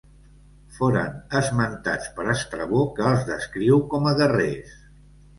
Foren esmentats per Estrabó que els descriu com a guerrers.